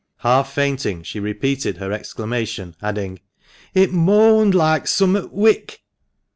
Half fainting she repeated her exclamation, adding —" It moaned like summut wick."